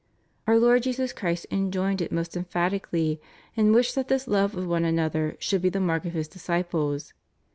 Our Lord Jesus Christ enjoined it most emphati cally, and wished that this love of one another should be the mark of His disciples.